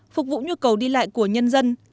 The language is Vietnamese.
phục vụ nhu cầu đi lại của nhân dân